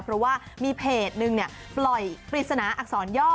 เพราะว่ามีเพจนึงปล่อยปริศนาอักษรย่อ